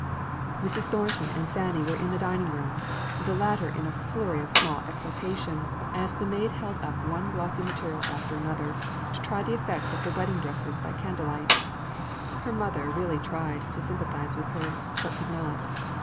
Mrs. Thornton and Fanny were in the dining room; the latter in a flutter of small exultation, as the maid held up one glossy material after another, to try the effect of the wedding dresses by candle light. Her mother really tried to sympathise with her, but could not.